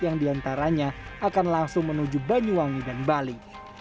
yang diantaranya akan langsung menuju banyuwangi dan bali